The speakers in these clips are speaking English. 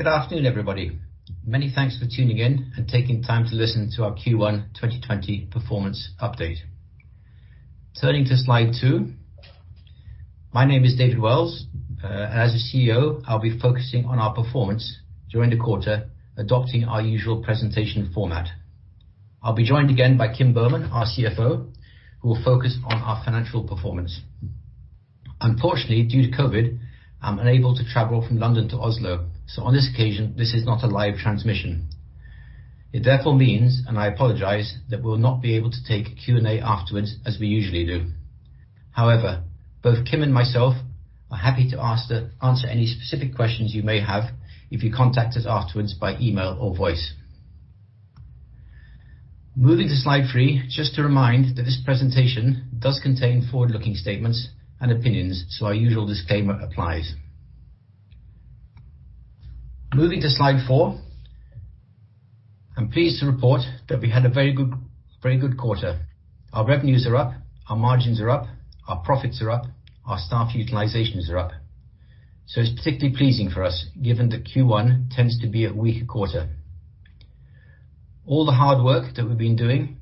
Good afternoon, everybody. Many thanks for tuning in and taking time to listen to our Q1 2020 Performance Update. Turning to slide two. My name is David WELLS. As the CEO, I'll be focusing on our performance during the quarter, adopting our usual presentation format. I'll be joined again by Kim Boman, our CFO, who will focus on our financial performance. Unfortunately, due to COVID-19, I'm unable to travel from London to Oslo. On this occasion, this is not a live transmission. It therefore means, and I apologize, that we'll not be able to take Q&A afterwards as we usually do. However, both Kim and myself are happy to answer any specific questions you may have if you contact us afterwards by email or voice. Moving to slide three, just a reminder that this presentation does contain forward-looking statements and opinions, so our usual disclaimer applies. Moving to slide four. I am pleased to report that we had a very good quarter. Our revenues are up, our margins are up, our profits are up, our staff utilizations are up. It is particularly pleasing for us given that Q1 tends to be a weaker quarter. All the hard work that we have been doing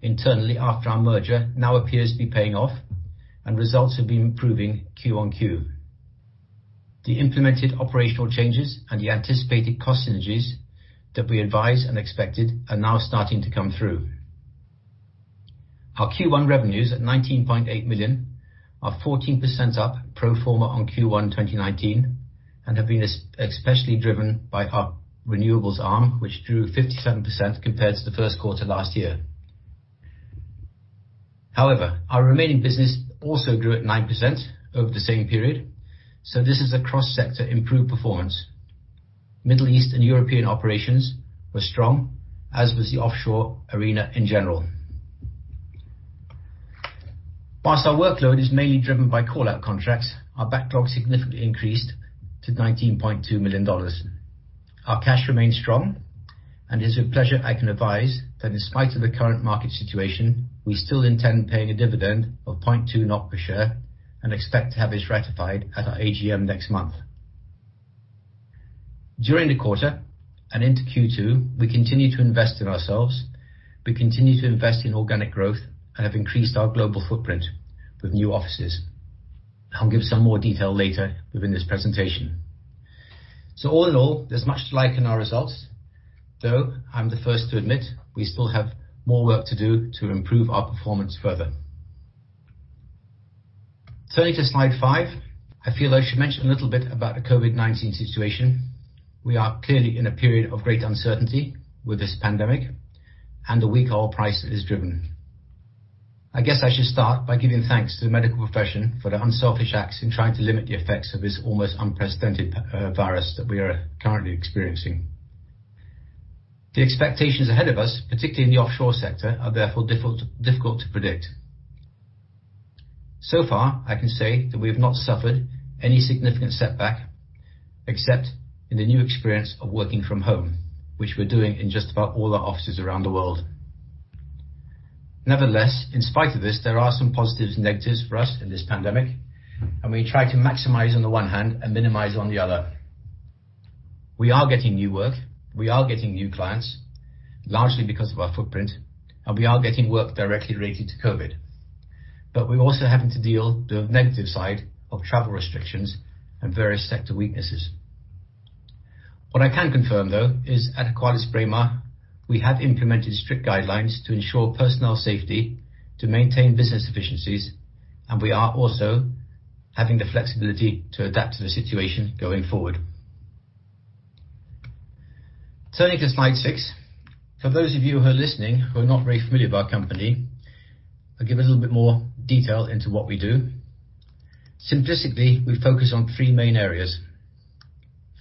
internally after our merger now appears to be paying off, and results have been improving Q on Q. The implemented operational changes and the anticipated cost synergies that we advised and expected are now starting to come through. Our Q1 revenues at $19.8 million are 14% up pro forma on Q1 2019 and have been especially driven by our renewables arm, which grew 57% compared to the first quarter last year. However, our remaining business also grew at 9% over the same period, so this is a cross-sector improved performance. Middle East and European operations were strong, as was the offshore arena in general. Whilst our workload is mainly driven by call-out contracts, our backlog significantly increased to NOK 19.2 million. Our cash remains strong, and it's with pleasure I can advise that in spite of the current market situation, we still intend paying a dividend of 0.2 NOK per share and expect to have this ratified at our AGM next month. During the quarter and into Q2, we continue to invest in ourselves. We continue to invest in organic growth and have increased our global footprint with new offices. I'll give some more detail later within this presentation. All in all, there's much to like in our results, though I'm the first to admit we still have more work to do to improve our performance further. Turning to slide five, I feel I should mention a little bit about the COVID-19 situation. We are clearly in a period of great uncertainty with this pandemic, and the weak oil price that has driven it. I guess I should start by giving thanks to the medical profession for their unselfish acts in trying to limit the effects of this almost unprecedented virus that we are currently experiencing. The expectations ahead of us, particularly in the offshore sector, are therefore difficult to predict. So far, I can say that we have not suffered any significant setback except in the new experience of working from home, which we're doing in just about all our offices around the world. Nevertheless, in spite of this, there are some positives and negatives for us in this pandemic, and we try to maximize on the one hand and minimize on the other. We are getting new work, we are getting new clients, largely because of our footprint. We are getting work directly related to COVID-19. We're also having to deal with the negative side of travel restrictions and various sector weaknesses. What I can confirm, though, is at AqualisBraemar, we have implemented strict guidelines to ensure personnel safety, to maintain business efficiencies. We are also having the flexibility to adapt to the situation going forward. Turning to slide six. For those of you who are listening who are not very familiar with our company, I'll give a little bit more detail into what we do. Simplistically, we focus on three main areas.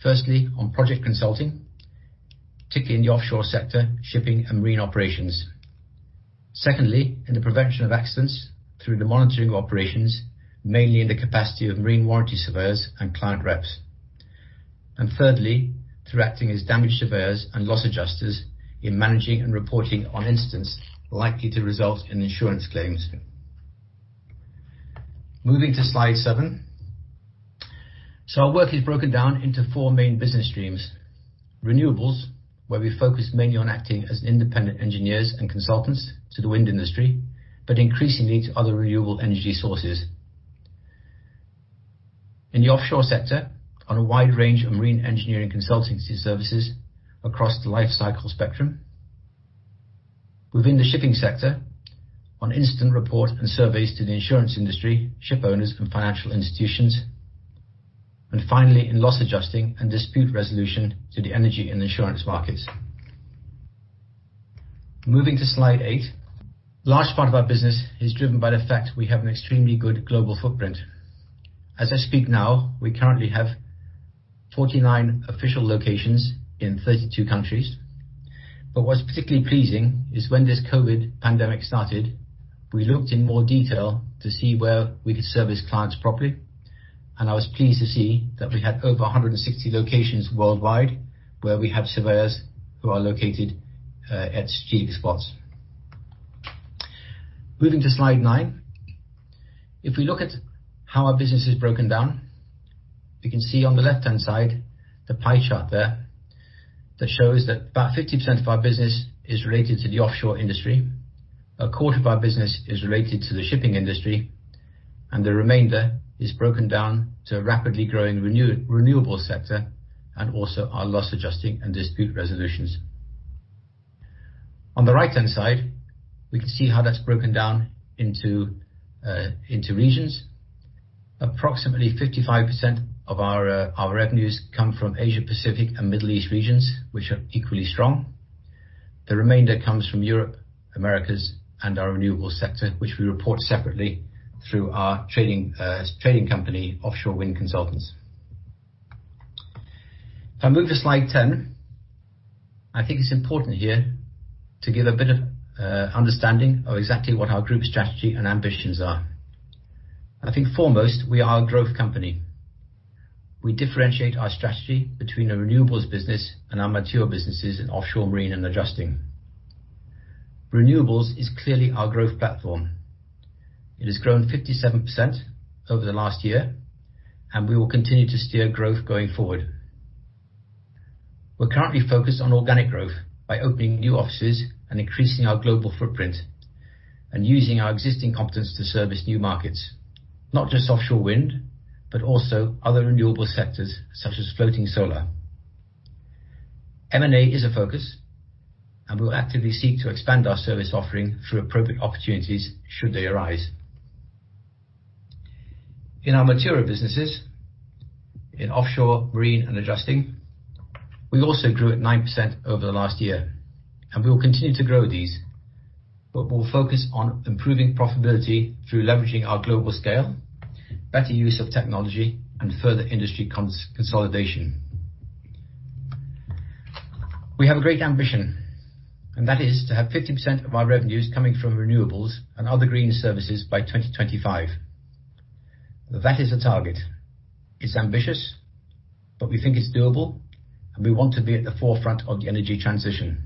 Firstly, on project consulting, particularly in the offshore sector, shipping and marine operations. Secondly, in the prevention of accidents through the monitoring of operations, mainly in the capacity of marine warranty surveyors and client reps. Thirdly, through acting as damage surveyors and loss adjusters in managing and reporting on incidents likely to result in insurance claims. Moving to slide seven. Our work is broken down into four main business streams. Renewables, where we focus mainly on acting as independent engineers and consultants to the wind industry, but increasingly to other renewable energy sources. In the Offshore sector, on a wide range of marine engineering consultancy services across the life cycle spectrum. Within the Shipping sector, on incident report and surveys to the insurance industry, ship owners, and financial institutions. Finally, in Loss Adjusting and dispute resolution to the energy and insurance markets. Moving to slide eight. A large part of our business is driven by the fact we have an extremely good global footprint. As I speak now, we currently have 49 official locations in 32 countries. What's particularly pleasing is when this COVID pandemic started, we looked in more detail to see where we could service clients properly, and I was pleased to see that we had over 160 locations worldwide where we have surveyors who are located at strategic spots. Moving to slide nine. If we look at how our business is broken down, we can see on the left-hand side, the pie chart there, that shows that about 50% of our business is related to the offshore industry. A quarter of our business is related to the shipping industry, and the remainder is broken down to a rapidly growing renewable sector, and also our loss adjusting and dispute resolutions. On the right-hand side, we can see how that's broken down into regions. Approximately 55% of our revenues come from Asia-Pacific and Middle East regions, which are equally strong. The remainder comes from Europe, Americas, and our renewable sector, which we report separately through our trading company, Offshore Wind Consultants. If I move to slide 10, I think it's important here to give a bit of understanding of exactly what our group strategy and ambitions are. I think foremost, we are a growth company. We differentiate our strategy between a renewables business and our mature businesses in offshore marine and adjusting. Renewables is clearly our growth platform. It has grown 57% over the last year, and we will continue to steer growth going forward. We're currently focused on organic growth by opening new offices and increasing our global footprint, and using our existing competence to service new markets. Not just offshore wind, but also other renewable sectors such as floating solar. M&A is a focus. We'll actively seek to expand our service offering through appropriate opportunities should they arise. In our mature businesses, in offshore marine and adjusting, we also grew at 9% over the last year, and we will continue to grow these, but we'll focus on improving profitability through leveraging our global scale, better use of technology, and further industry consolidation. We have a great ambition, and that is to have 50% of our revenues coming from renewables and other green services by 2025. That is a target. It's ambitious, but we think it's doable, and we want to be at the forefront of the energy transition.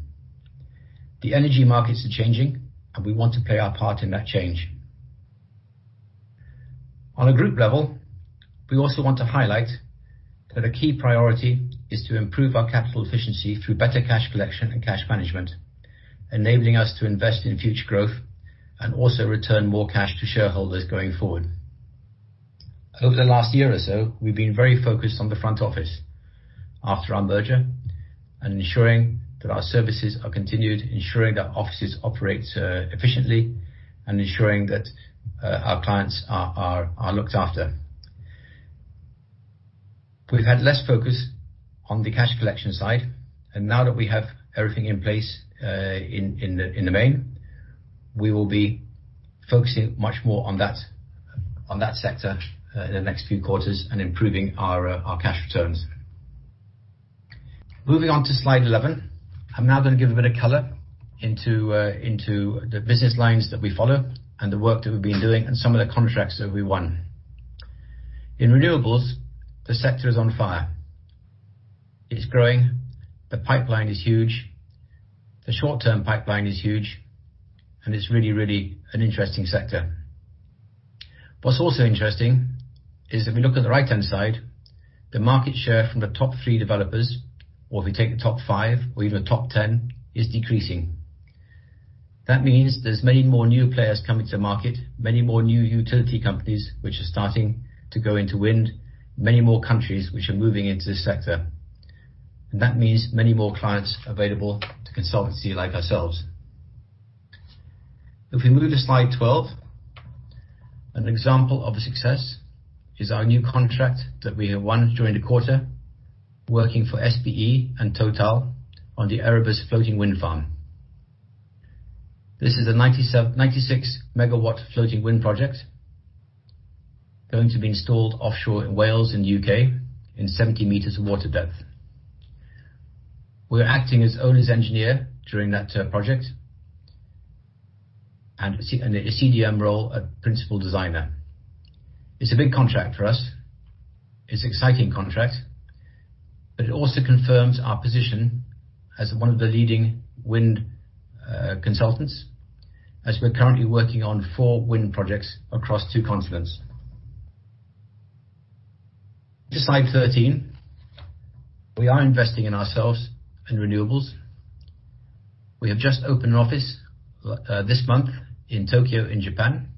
The energy markets are changing, and we want to play our part in that change. On a group level, we also want to highlight that a key priority is to improve our capital efficiency through better cash collection and cash management, enabling us to invest in future growth, and also return more cash to shareholders going forward. Over the last year or so, we've been very focused on the front office after our merger, and ensuring that our services are continued, ensuring that offices operate efficiently, and ensuring that our clients are looked after. We've had less focus on the cash collection side. Now that we have everything in place in the main, we will be focusing much more on that sector in the next few quarters and improving our cash returns. Moving on to slide 11. I'm now going to give a bit of color into the business lines that we follow and the work that we've been doing and some of the contracts that we won. In renewables, the sector is on fire. It's growing. The pipeline is huge. The short-term pipeline is huge, and it's really an interesting sector. What's also interesting is if we look at the right-hand side, the market share from the top three developers, or if we take the top five or even the top 10, is decreasing. That means there's many more new players coming to market, many more new utility companies which are starting to go into wind, many more countries which are moving into this sector. That means many more clients available to consultancy like ourselves. If we move to slide 12, an example of a success is our new contract that we have won during the quarter, working for SBE and Total on the Erebus floating wind farm. This is a 96-megawatt floating wind project going to be installed offshore in Wales, in the U.K., in 70 meters of water depth. We're acting as owner's engineer during that project, and a CDM role of principal designer. It's a big contract for us. It's an exciting contract, but it also confirms our position as one of the leading wind consultants, as we're currently working on four wind projects across two continents. Slide 13. We are investing in ourselves and renewables. We have just opened an office this month in Tokyo in Japan,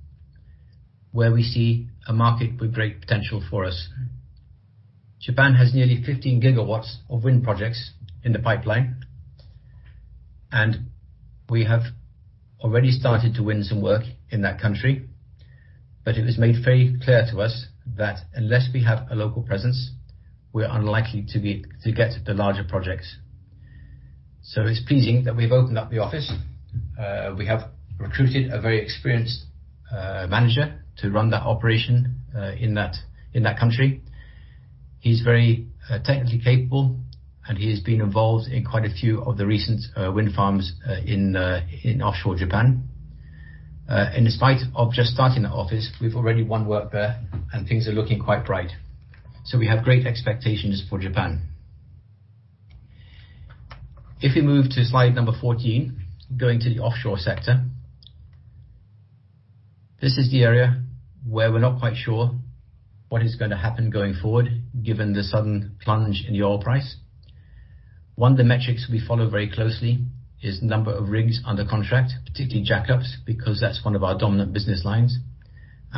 where we see a market with great potential for us. Japan has nearly 15 gigawatts of wind projects in the pipeline, and we have already started to win some work in that country. It was made very clear to us that unless we have a local presence, we are unlikely to get the larger projects. It's pleasing that we've opened up the office. We have recruited a very experienced manager to run that operation in that country. He's very technically capable, and he has been involved in quite a few of the recent wind farms in offshore Japan. In spite of just starting that office, we've already won work there and things are looking quite bright. We have great expectations for Japan. If we move to slide number 14, going to the offshore sector. This is the area where we're not quite sure what is going to happen going forward, given the sudden plunge in the oil price. One of the metrics we follow very closely is number of rigs under contract, particularly jack-ups, because that's one of our dominant business lines.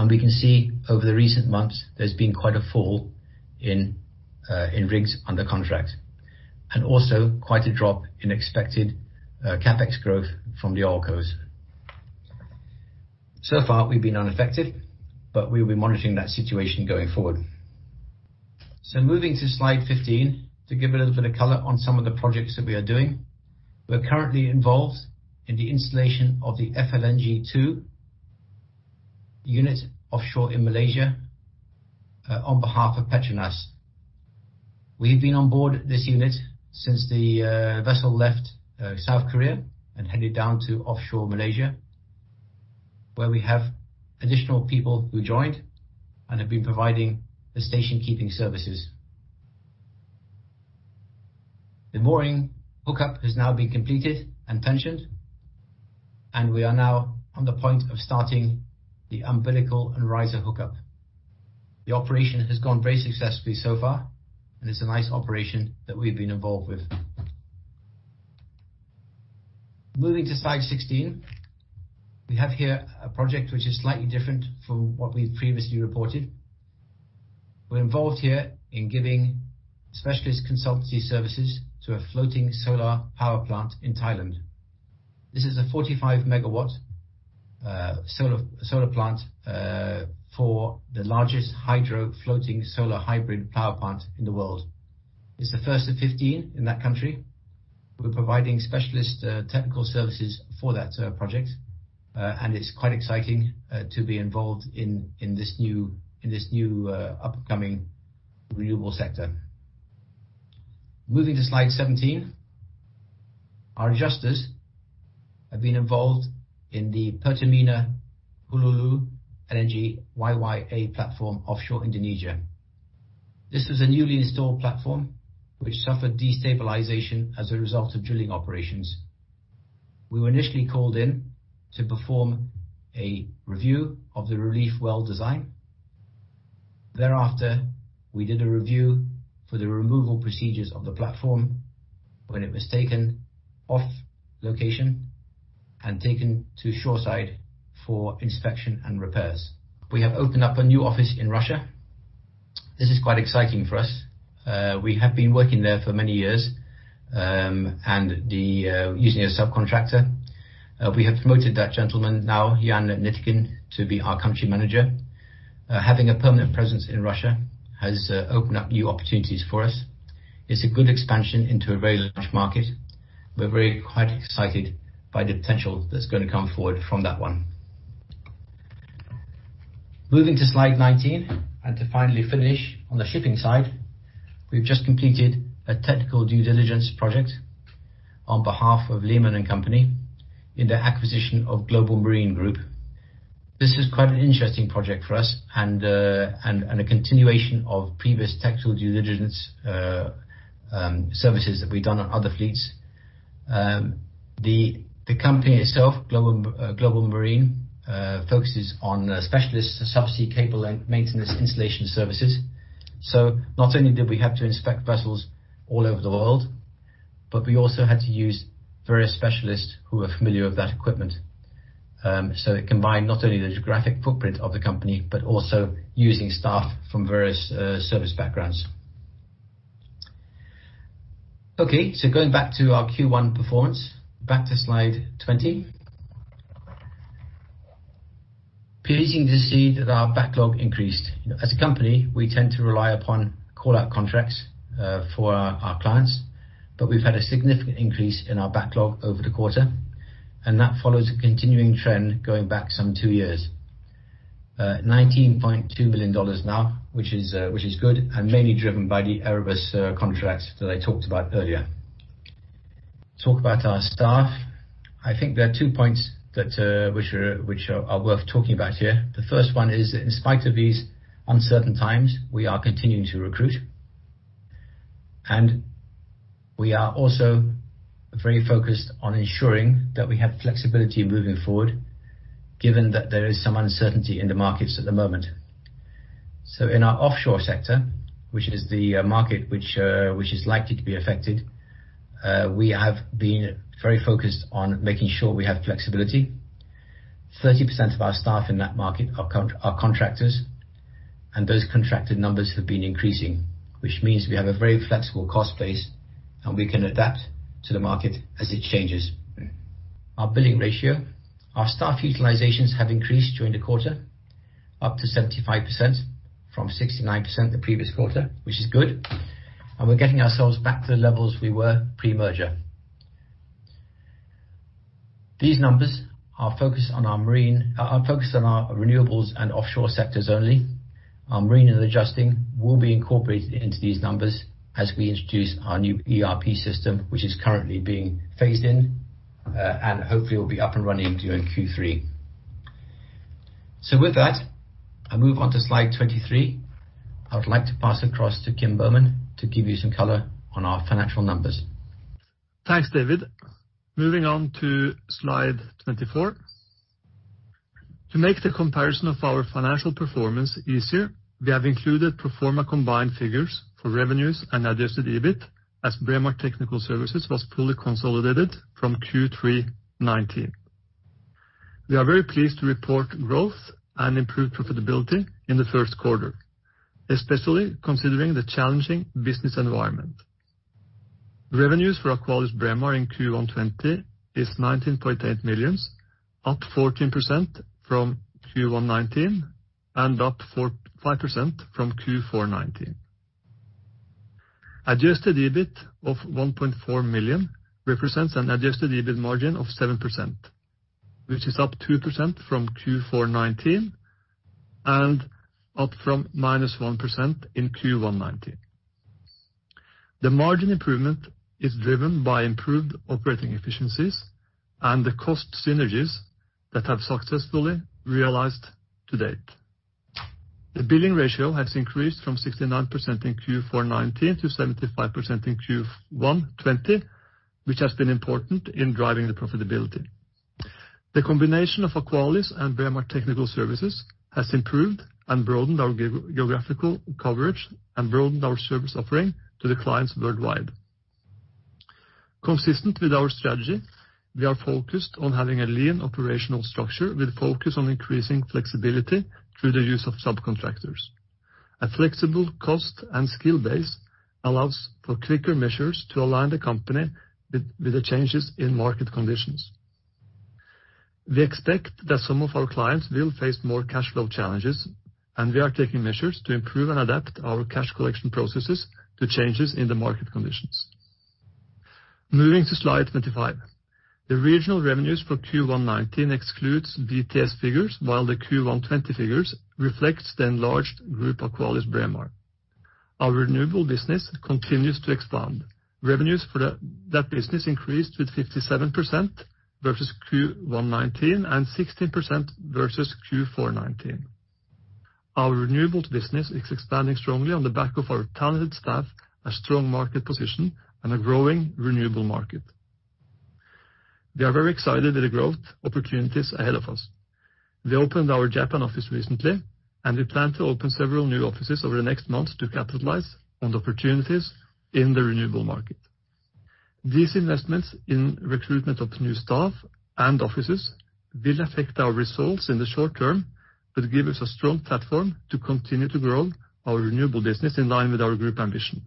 We can see over the recent months, there's been quite a fall in rigs under contract, and also quite a drop in expected CapEx growth from the oilcos. So far, we've been unaffected, but we'll be monitoring that situation going forward. Moving to slide 15, to give a little bit of color on some of the projects that we are doing. We're currently involved in the installation of the FLNG2 unit offshore in Malaysia, on behalf of Petronas. We've been on board this unit since the vessel left South Korea and headed down to offshore Malaysia, where we have additional people who joined and have been providing the station-keeping services. The mooring hookup has now been completed and tensioned, and we are now on the point of starting the umbilical and riser hookup. The operation has gone very successfully so far, and it's a nice operation that we've been involved with. Moving to slide 16. We have here a project which is slightly different from what we've previously reported. We're involved here in giving specialist consultancy services to a floating solar power plant in Thailand. This is a 45 MW solar plant for the largest hydro floating solar hybrid power plant in the world. It's the first of 15 in that country. We're providing specialist technical services for that project, and it's quite exciting to be involved in this new upcoming renewable sector. Moving to slide 17. Our adjusters have been involved in the Pertamina Hulu Energi YYA platform offshore Indonesia. This is a newly installed platform which suffered destabilization as a result of drilling operations. We were initially called in to perform a review of the relief well design. Thereafter, we did a review for the removal procedures of the platform when it was taken off location and taken to shoreside for inspection and repairs. We have opened up a new office in Russia. This is quite exciting for us. We have been working there for many years, and using a subcontractor. We have promoted that gentleman now, Jan Nikitin, to be our country manager. Having a permanent presence in Russia has opened up new opportunities for us. It's a good expansion into a very large market. We're very quite excited by the potential that's going to come forward from that one. Moving to slide 19, to finally finish on the shipping side. We've just completed a technical due diligence project on behalf of Lehman & Company in the acquisition of Global Marine Group. This is quite an interesting project for us and a continuation of previous technical due diligence services that we've done on other fleets. The company itself, Global Marine, focuses on specialist subsea cable maintenance installation services. Not only did we have to inspect vessels all over the world, but we also had to use various specialists who are familiar with that equipment. It combined not only the geographic footprint of the company, but also using staff from various service backgrounds. Okay, going back to our Q1 performance, back to slide 20. Pleasing to see that our backlog increased. As a company, we tend to rely upon call-out contracts for our clients, we've had a significant increase in our backlog over the quarter, and that follows a continuing trend going back some two years. NOK 19.2 million now, which is good, and mainly driven by the Erebus contracts that I talked about earlier. Talk about our staff. I think there are two points which are worth talking about here. The first one is, in spite of these uncertain times, we are continuing to recruit, we are also very focused on ensuring that we have flexibility moving forward, given that there is some uncertainty in the markets at the moment. In our offshore sector, which is the market which is likely to be affected, we have been very focused on making sure we have flexibility. 30% of our staff in that market are contractors, and those contracted numbers have been increasing, which means we have a very flexible cost base, and we can adapt to the market as it changes. Our billing ratio. Our staff utilizations have increased during the quarter up to 75% from 69% the previous quarter, which is good, and we're getting ourselves back to the levels we were pre-merger. These numbers are focused on our renewables and offshore sectors only. Our marine and adjusting will be incorporated into these numbers as we introduce our new ERP system, which is currently being phased in, and hopefully will be up and running during Q3. With that, I move on to slide 23. I would like to pass across to Kim Boman to give you some color on our financial numbers. Thanks, David. Moving on to slide 24. To make the comparison of our financial performance easier, we have included pro forma combined figures for revenues and adjusted EBIT, as Braemar Technical Services was fully consolidated from Q3 2019. We are very pleased to report growth and improved profitability in the Q1, especially considering the challenging business environment. Revenues for AqualisBraemar in Q1 2020 is $19.8 million, up 14% from Q1 2019, and up 5% from Q4 2019. Adjusted EBIT of 1.4 million represents an adjusted EBIT margin of 7%, which is up 2% from Q4 2019 and up from -1% in Q1 2019. The margin improvement is driven by improved operating efficiencies and the cost synergies that have successfully realized to date. The billing ratio has increased from 69% in Q4 2019 to 75% in Q1 2020, which has been important in driving the profitability. The combination of Aqualis and Braemar Technical Services has improved and broadened our geographical coverage and broadened our service offering to the clients worldwide. Consistent with our strategy, we are focused on having a lean operational structure with focus on increasing flexibility through the use of subcontractors. A flexible cost and skill base allows for quicker measures to align the company with the changes in market conditions. We expect that some of our clients will face more cash flow challenges. We are taking measures to improve and adapt our cash collection processes to changes in the market conditions. Moving to slide 25. The regional revenues for Q1 2019 excludes BTS figures, while the Q1 2020 figures reflects the enlarged group, AqualisBraemar. Our renewable business continues to expand. Revenues for that business increased with 57% versus Q1 2019 and 16% versus Q4 2019. Our renewables business is expanding strongly on the back of our talented staff, a strong market position, and a growing renewable market. We are very excited at the growth opportunities ahead of us. We opened our Japan office recently, and we plan to open several new offices over the next months to capitalize on the opportunities in the renewable market. These investments in recruitment of new staff and offices will affect our results in the short term but give us a strong platform to continue to grow our renewable business in line with our group ambition.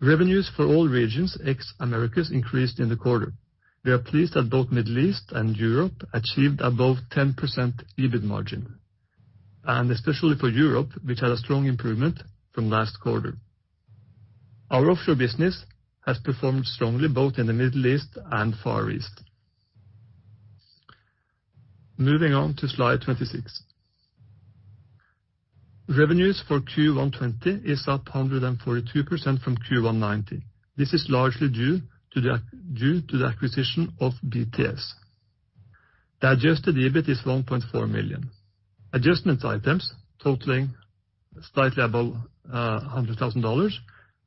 Revenues for all regions ex-Americas increased in the quarter. We are pleased that both Middle East and Europe achieved above 10% EBIT margin, and especially for Europe, which had a strong improvement from last quarter. Our offshore business has performed strongly both in the Middle East and Far East. Moving on to slide 26. Revenues for Q1 2020 is up 142% from Q1 2019. This is largely due to the acquisition of BTS. The adjusted EBIT is 1.4 million. Adjustment items totaling slightly above NOK 100,000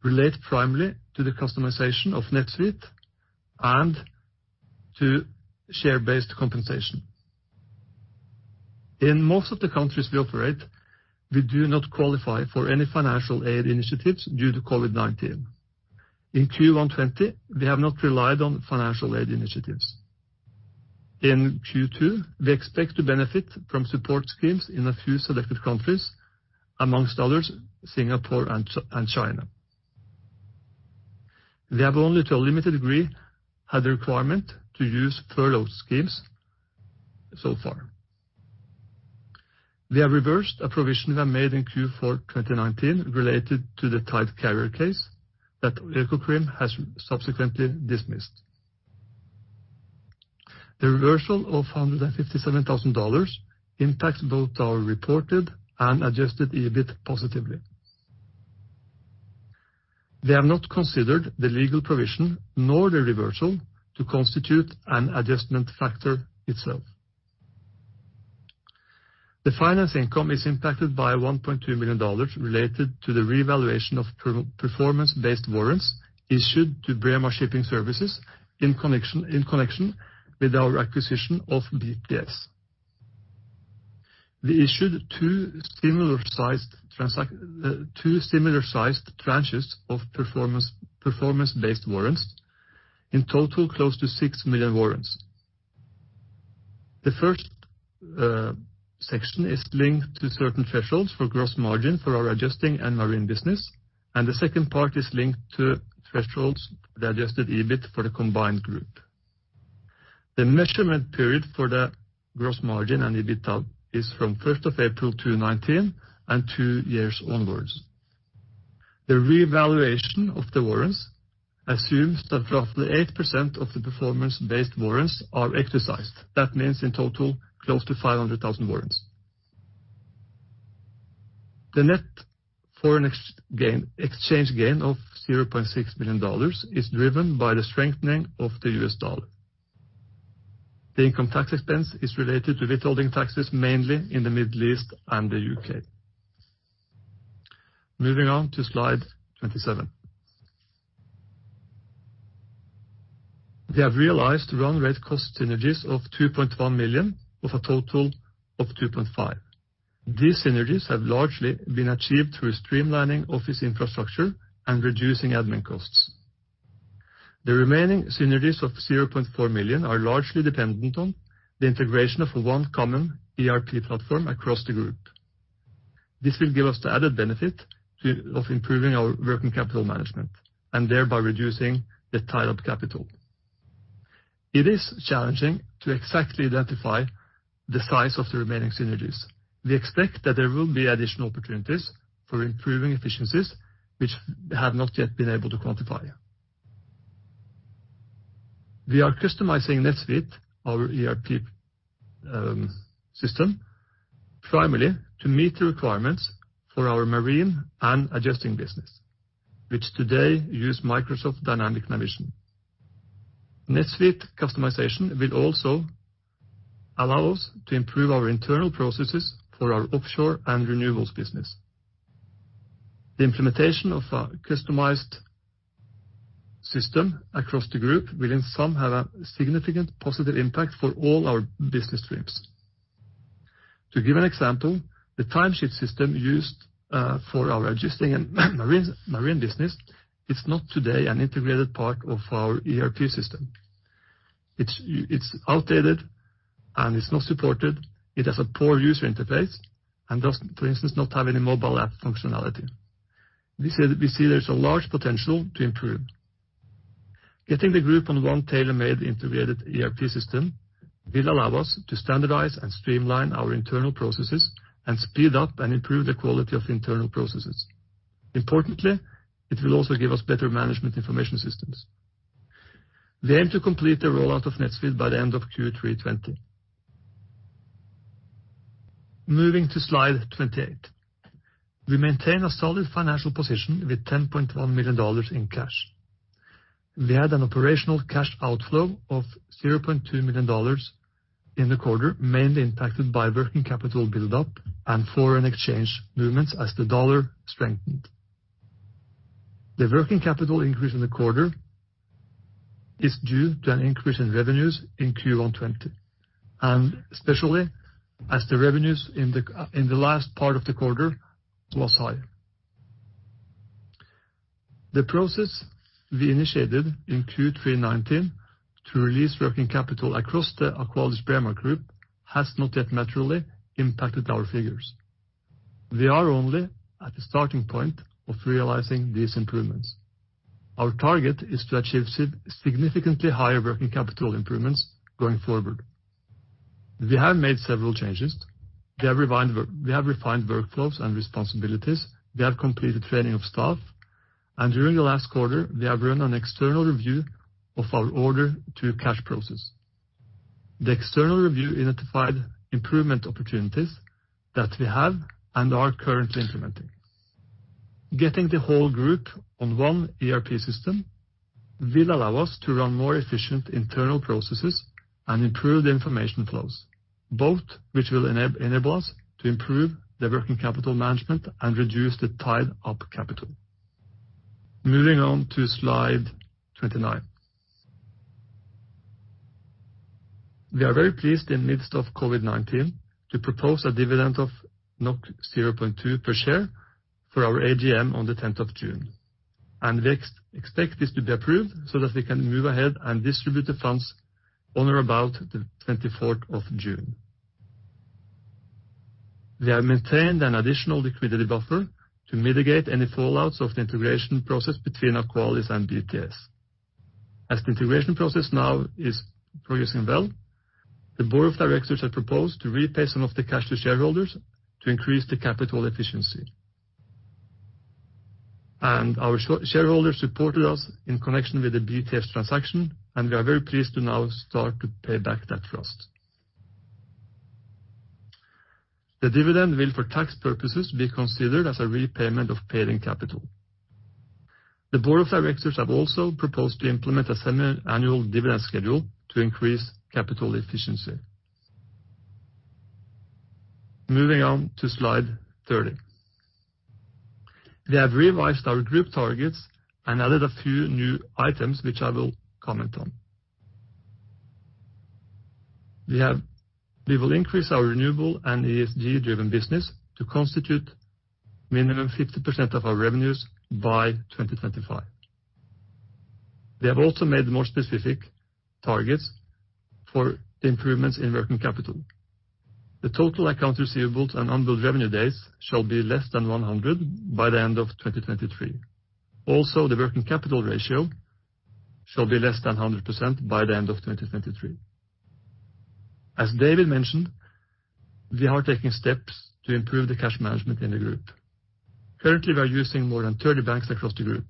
relate primarily to the customization of NetSuite and to share-based compensation. In most of the countries we operate, we do not qualify for any financial aid initiatives due to COVID-19. In Q1 2020, we have not relied on financial aid initiatives. In Q2, we expect to benefit from support schemes in a few selected countries, amongst others, Singapore and China. We have only to a limited degree had the requirement to use furlough schemes so far. We have reversed a provision we made in Q4 2019 related to the Tide Carrier case that Økokrim has subsequently dismissed. The reversal of NOK 157,000 impacts both our reported and adjusted EBIT positively. We have not considered the legal provision nor the reversal to constitute an adjustment factor itself. The finance income is impacted by NOK 1.2 million related to the revaluation of performance-based warrants issued to Braemar Shipping Services in connection with our acquisition of BTS. We issued two similar-sized tranches of performance-based warrants, in total, close to 6 million warrants. The first section is linked to certain thresholds for gross margin for our adjusting and marine business, and the second part is linked to thresholds, the adjusted EBIT for the combined group. The measurement period for the gross margin and EBIT is from 1st of April 2019 and two years onwards. The revaluation of the warrants assumes that roughly 8% of the performance-based warrants are exercised. That means in total, close to 500,000 warrants. The net foreign exchange gain of $0.6 million is driven by the strengthening of the U.S. dollar. The income tax expense is related to withholding taxes, mainly in the Middle East and the U.K. Moving on to slide 27. We have realized run rate cost synergies of 2.1 million, of a total of 2.5 million. These synergies have largely been achieved through streamlining office infrastructure and reducing admin costs. The remaining synergies of 0.4 million are largely dependent on the integration of one common ERP platform across the group. This will give us the added benefit of improving our working capital management and thereby reducing the tied-up capital. It is challenging to exactly identify the size of the remaining synergies. We expect that there will be additional opportunities for improving efficiencies which we have not yet been able to quantify. We are customizing NetSuite, our ERP system, primarily to meet the requirements for our marine and adjusting business, which today use Microsoft Dynamics NAV. NetSuite customization will also allow us to improve our internal processes for our offshore and renewables business. The implementation of a customized system across the group will in sum have a significant positive impact for all our business streams. To give an example, the timesheet system used for our adjusting and marine business is not today an integrated part of our ERP system. It's outdated and it's not supported. It has a poor user interface and does, for instance, not have any mobile app functionality. We see there's a large potential to improve. Getting the group on one tailor-made integrated ERP system will allow us to standardize and streamline our internal processes and speed up and improve the quality of internal processes. Importantly, it will also give us better management information systems. We aim to complete the rollout of NetSuite by the end of Q3 2020. Moving to slide 28. We maintain a solid financial position with $10.1 million in cash. We had an operational cash outflow of $0.2 million in the quarter, mainly impacted by working capital build-up and foreign exchange movements as the dollar strengthened. The working capital increase in the quarter is due to an increase in revenues in Q1 2020, and especially as the revenues in the last part of the quarter was high. The process we initiated in Q3 2019 to release working capital across the AqualisBraemar group has not yet materially impacted our figures. We are only at the starting point of realizing these improvements. Our target is to achieve significantly higher working capital improvements going forward. We have made several changes. We have refined workflows and responsibilities. We have completed training of staff, and during the last quarter, we have run an external review of our order-to-cash process. The external review identified improvement opportunities that we have and are currently implementing. Getting the whole group on one ERP system will allow us to run more efficient internal processes and improve the information flows, both which will enable us to improve the working capital management and reduce the tied-up capital. Moving on to slide 29. We are very pleased in midst of COVID-19 to propose a dividend of 0.2 per share for our AGM on the 10th of June. We expect this to be approved so that we can move ahead and distribute the funds on or about the 24th of June. We have maintained an additional liquidity buffer to mitigate any fallouts of the integration process between Aqualis and BTS. As the integration process now is progressing well, the board of directors have proposed to repay some of the cash to shareholders to increase the capital efficiency. Our shareholders supported us in connection with the BTS transaction, and we are very pleased to now start to pay back that trust. The dividend will, for tax purposes, be considered as a repayment of paid in capital. The board of directors have also proposed to implement a semi-annual dividend schedule to increase capital efficiency. Moving on to slide 30. We have revised our group targets and added a few new items, which I will comment on. We will increase our renewable and ESG-driven business to constitute minimum 50% of our revenues by 2025. We have also made more specific targets for the improvements in working capital. The total accounts receivables and unbilled revenue days shall be less than 100 by the end of 2023. Also, the working capital ratio shall be less than 100% by the end of 2023. As David mentioned, we are taking steps to improve the cash management in the group. Currently, we are using more than 30 banks across the group.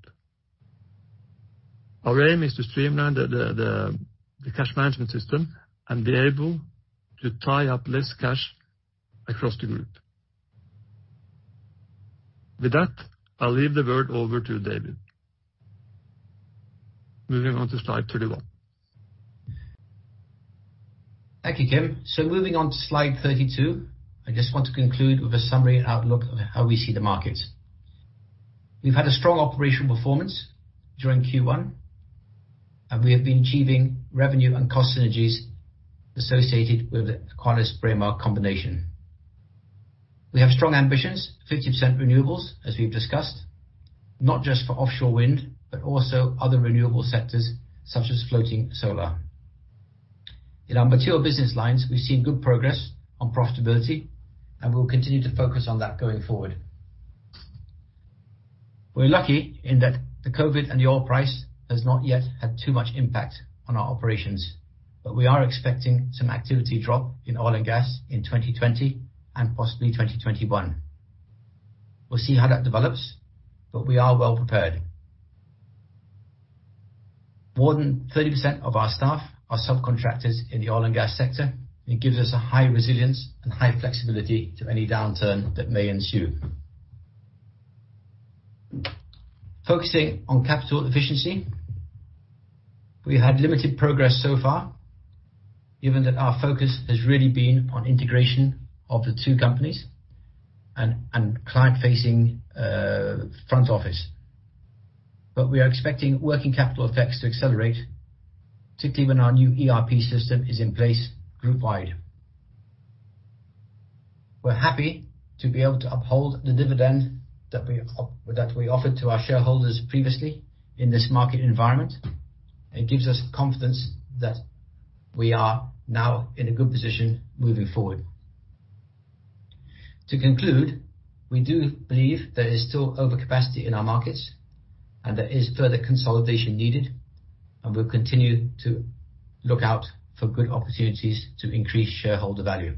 Our aim is to streamline the cash management system and be able to tie up less cash across the group. With that, I'll leave the word over to David. Moving on to slide 31. Thank you, Kim. Moving on to slide 32, I just want to conclude with a summary outlook of how we see the markets. We've had a strong operational performance during Q1, and we have been achieving revenue and cost synergies associated with the AqualisBraemar combination. We have strong ambitions, 50% renewables, as we've discussed, not just for offshore wind, but also other renewable sectors such as floating solar. In our mature business lines, we've seen good progress on profitability, and we'll continue to focus on that going forward. We're lucky in that the COVID-19 and the oil price has not yet had too much impact on our operations, but we are expecting some activity drop in oil and gas in 2020 and possibly 2021. We'll see how that develops, but we are well prepared. More than 30% of our staff are subcontractors in the oil and gas sector. It gives us a high resilience and high flexibility to any downturn that may ensue. Focusing on capital efficiency, we had limited progress so far, given that our focus has really been on integration of the two companies and client-facing front office. We are expecting working capital effects to accelerate, particularly when our new ERP system is in place group wide. We're happy to be able to uphold the dividend that we offered to our shareholders previously in this market environment. It gives us confidence that we are now in a good position moving forward. To conclude, we do believe there is still overcapacity in our markets and there is further consolidation needed, and we'll continue to look out for good opportunities to increase shareholder value.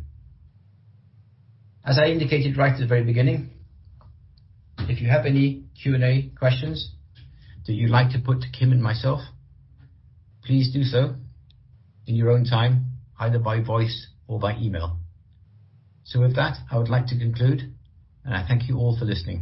As I indicated right at the very beginning, if you have any Q&A questions that you'd like to put to Kim and myself, please do so in your own time, either by voice or by email. With that, I would like to conclude, and I thank you all for listening.